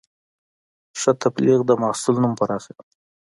ښه تبلیغ د محصول نوم پراخوي.